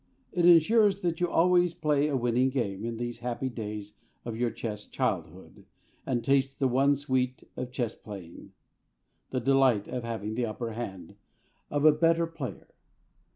It ensures that you always play a winning game in these happy days of your chess childhood, and taste the one sweet of chess playing, the delight of having the upper hand of a better player.